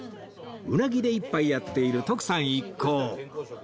うなぎで一杯やっている徳さん一行